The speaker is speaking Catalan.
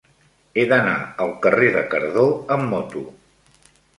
He d'anar al carrer de Cardó amb moto.